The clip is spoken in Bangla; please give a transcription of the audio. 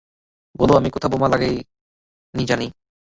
বলো আমি কোথাও বোমা লাগায় নি জানি।